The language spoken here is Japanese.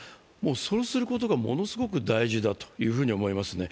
そうすることがものすごく大事だと思いますね。